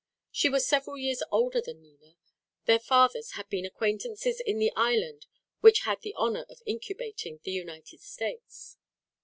She was several years older than Nina. Their fathers had been acquaintances in the island which had the honour of incubating the United States.